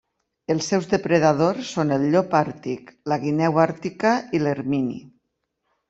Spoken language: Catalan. Els seus depredadors són el llop àrtic, la guineu àrtica i l'ermini.